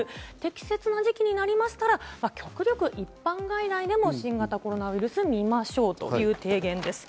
適切な時期になりましたら、極力一般外来でも新型コロナウイルスを診ましょうという提言です。